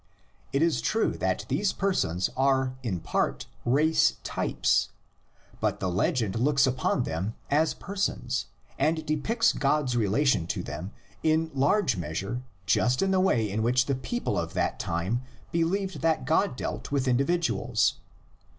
It is true that these per sons are in part race types, but the legend looks upon them as persons and depicts God's relation to them in large measure just in the way in which the people of that time believed that God dealt with individuals.